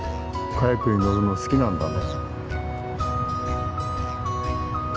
カヤックに乗るの好きなんだね。